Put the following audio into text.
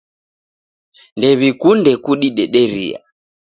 Ndewikunde kudidederia.